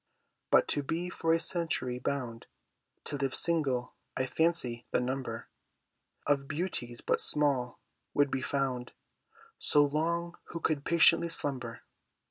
But to be for a century bound To live single, I fancy the number Of Beauties but small would be found So long who could patiently slumber.